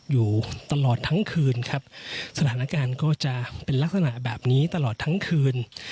อยู่ตลอดทั้งคืนครับสถานการณ์ก็จะเป็นลักษณะแบบนี้ตลอดทั้งคืน